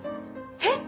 えっ？